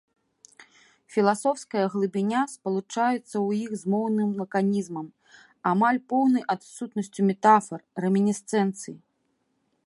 Філасофская глыбіня спалучаецца ў іх з моўным лаканізмам, амаль поўнай адсутнасцю метафар, рэмінісцэнцый.